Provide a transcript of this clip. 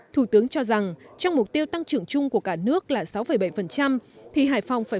thủ tướng cho rằng trong mục tiêu tăng trưởng chung của cả nước là sáu bảy thì hải phòng phải